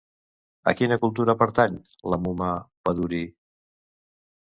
A quina cultura pertany la Muma Pădurii?